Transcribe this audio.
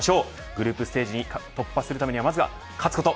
グループステージ突破するためにはまず勝つこと。